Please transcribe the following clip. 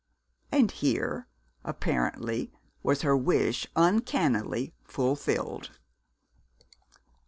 And here, apparently, was her wish uncannily fulfilled.